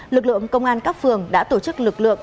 lực lượng công an các phường đã tổ chức lực lượng